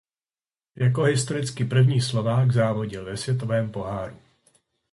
Jako historicky první Slovák závodil ve světovém poháru.